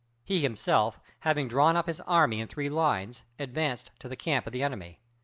He himself, having drawn up his army in three lines, advanced to the camp of the enemy.